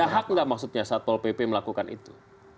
ada hak nggak maksudnya satpol pp melakukan itu